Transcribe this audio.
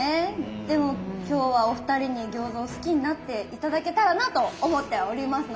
でも今日はお二人に餃子を好きになって頂けたらなと思っておりますので。